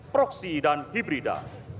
proksi dan hibrida